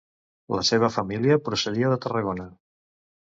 La seva família procedia de Tarragona.